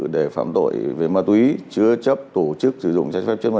đối với hoạt động về ma túy chúng tôi đã có kế hoạch rất cụ thể